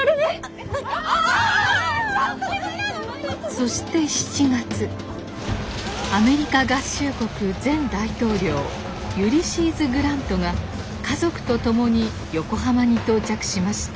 そして７月アメリカ合衆国前大統領ユリシーズ・グラントが家族と共に横浜に到着しました。